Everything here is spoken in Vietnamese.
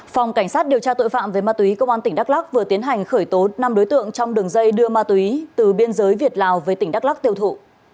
phòng cảnh sát điều tra tội phạm về ma túy công an tỉnh đắk lắc vừa tiến hành khởi tố năm đối tượng trong đường dây đưa ma túy từ biên giới việt lào về tỉnh đắk lắc tiêu thụ